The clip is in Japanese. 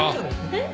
えっ？